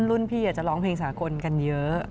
รุ่นพี่อยากจะร้องเพลงสากลกันเยอะ